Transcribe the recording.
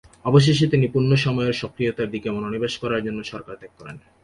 অবশেষে তিনি পূর্ণ-সময়ের সক্রিয়তার দিকে মনোনিবেশ করার জন্য সরকার ত্যাগ করেন।